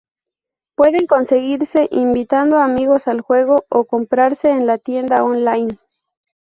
Pueden conseguirse invitando a amigos al juego o comprarse en la tienda online.